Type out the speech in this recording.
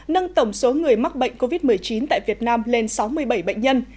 nâng tổng số người mắc bệnh covid một mươi chín tại việt nam lên sáu mươi bảy bệnh nhân